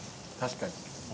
確かに。